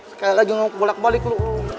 sekali lagi yang aku bolak balik lo